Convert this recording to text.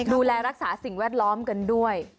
ดูแลรักษาสิ่งแวดล้อมกันด้วย